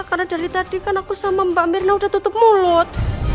karena dari tadi kan aku sama mbak mirna udah tutup mulut